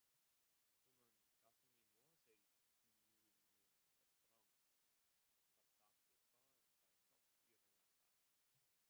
그는 가슴이 무엇에 짓눌리는 것처럼 답답해서 벌떡 일어났다.